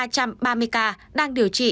ba nghìn ba trăm ba mươi ca đang điều trị